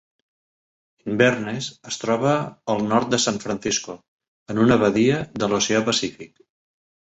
Inverness es troba al nord de San Francisco, en una badia de l"oceà Pacífic.